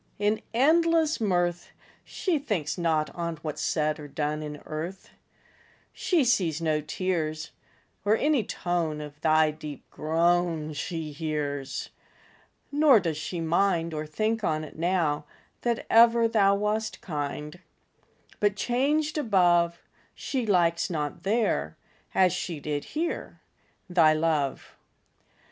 In endless mirth, She thinks not on What's said or done In earth: She sees no tears, Or any tone Of thy deep groan She hears; Nor does she mind, Or think on't now, That ever thou Wast kind: But changed above, She likes not there, As she did here, Thy love.